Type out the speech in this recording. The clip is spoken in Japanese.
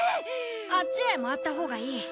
あっちへ回ったほうがいい。